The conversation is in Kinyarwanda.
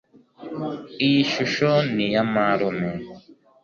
Iyi shusho ni ya marume